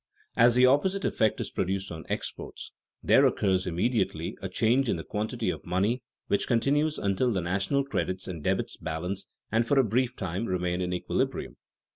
As the opposite effect is produced on exports, there occurs immediately a change in the quantity of money which continues until the national credits and debits balance and for a brief time remain in equilibrium.